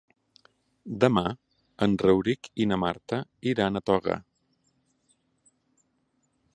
Demà en Rauric i na Marta iran a Toga.